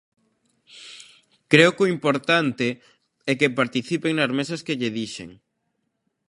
Creo que o importante é que participe nas mesas que lle dixen.